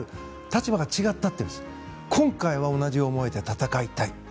立場が違ったって今回は、同じ思いで戦いたい。